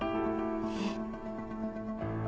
えっ。